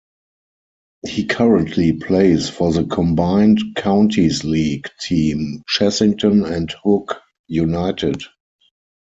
He currently plays for the Combined Counties League team Chessington and Hook United.